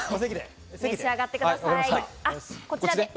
こちらで召し上がってください。